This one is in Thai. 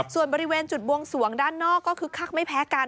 ส่วนบริเวณจุดบวงสวงด้านนอกก็คึกคักไม่แพ้กัน